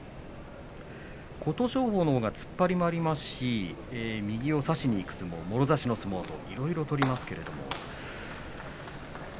琴勝峰のほうが突っ張りもありますし右を差しにいくもろ差し、いろいろ取りますけれど。